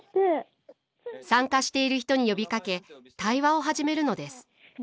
参加している人に呼びかけ対話を始めるのです。